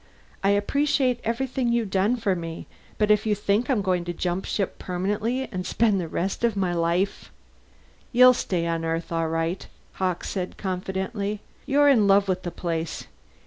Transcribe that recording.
I appreciate everything you've done for me, but if you think I'm going to jump ship permanently and spend the rest of my life " "You'll stay on Earth, all right," Hawkes said confidently. "You're in love with the place.